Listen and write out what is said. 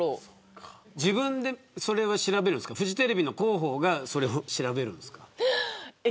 自分で、それを調べるんですかフジテレビの広報が調べるんですか。